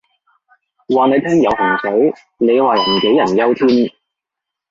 話你聽有洪水，你話人杞人憂天